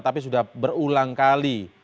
tapi sudah berulang kali